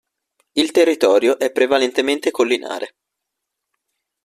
Il territorio è prevalentemente collinare.